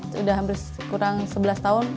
sudah hampir kurang sebelas tahun